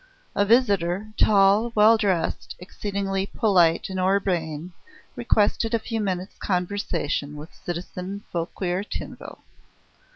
A visitor, tall, well dressed, exceedingly polite and urbane, requested a few minutes' conversation with citizen Fouquier Tinville.